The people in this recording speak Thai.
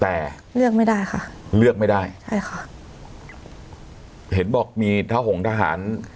แต่เลือกไม่ได้ค่ะเลือกไม่ได้ใช่ค่ะเห็นบอกมีทะหงทหาร